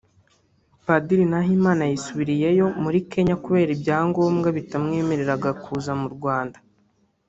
Padiri Nahimana yasubiriyeyo muri Kenya kubera ibyangombwa bitamwemereraga kuza mu Rwanda